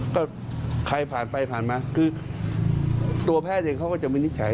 ก็ใครผ่านไปผ่านมาคือตัวแพทย์เองเขาก็จะวินิจฉัย